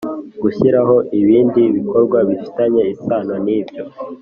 Gushyiraho ibindi bikorwa bifitanye isano nibyo